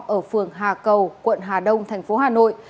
ở phường hà cầu quận hà đông thành phố hà nội